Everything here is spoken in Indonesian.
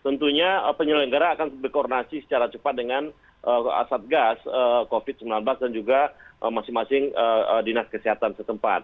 tentunya penyelenggara akan di koordinasi dengan asatgas covid sembilan belas dan juga masing masing dinas kesehatan setempat